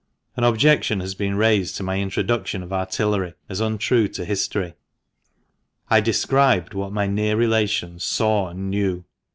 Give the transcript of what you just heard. An objection has been raised to my introduction of artillery, as untrue to history. I described what my near relations saw and knew.